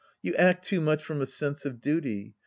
You act too much from a sense of duty.